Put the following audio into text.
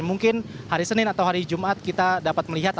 jadi mungkin hari senin atau hari jumat kita dapat melihat